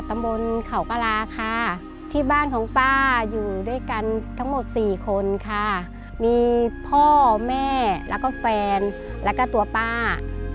ตำบลเขากระลาค่ะที่บ้านของป้าอยู่ด้วยกันทั้งหมดสี่คนค่ะมีพ่อแม่แล้วก็แฟนแล้วก็ตัวป้า